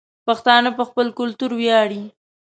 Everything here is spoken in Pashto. پښتانه په خپل کلتور وياړي